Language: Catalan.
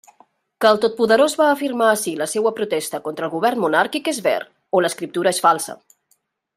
Que el Totpoderós va afirmar ací la seua protesta contra el govern monàrquic és ver, o l'escriptura és falsa.